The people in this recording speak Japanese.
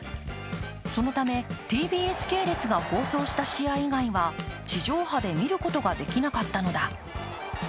そのためＴＢＳ系列が放送した試合以外は地上波で見ることができなかったのだ。